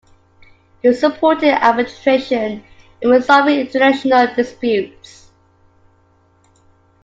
He supported arbitration in resolving international disputes.